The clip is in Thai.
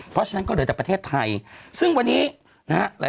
เพราะฉะนั้นก็เหลือแต่ประเทศไทย